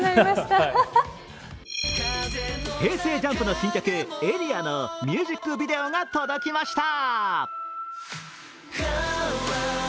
ＪＵＭＰの新曲「ａｒｅａ」のミュージックビデオが届きました。